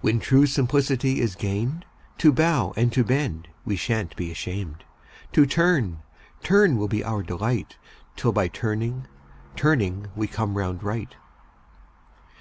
When true simplicity is gain'd, To bow and to bend we shan't be asham'd, To turn, turn will be our delight 'Till by turning, turning we come round right.